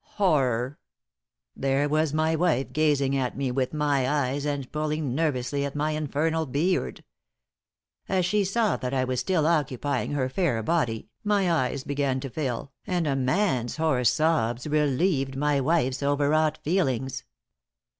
Horror! There was my wife gazing at me with my eyes and pulling nervously at my infernal beard. As she saw that I was still occupying her fair body, my eyes began to fill, and a man's hoarse sobs relieved my wife's overwrought feelings.